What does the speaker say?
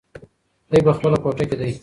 دی په خپله کوټه کې دی.